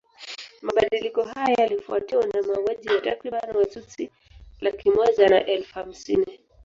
Mabadiliko haya yalifuatiwa na mauaji ya takriban Watutsi laki moja na elfu hamsini